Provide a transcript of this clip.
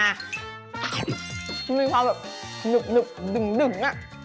มันมีความแบบหนึบดึง